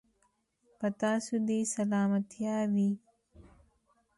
په تاسو دې سلامتيا وي.